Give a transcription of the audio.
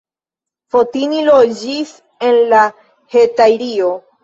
Fotini loĝis en la Hetajrio.